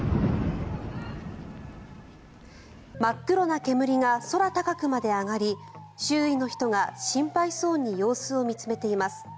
真っ黒な煙が空高くまで上がり周囲の人が心配そうに様子を見つめています。